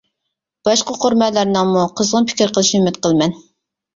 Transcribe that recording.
باشقا ئوقۇرمەنلەرنىڭمۇ قىزغىن پىكىر قىلىشىنى ئۈمىد قىلىمەن.